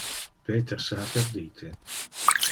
Peter se ha perdite.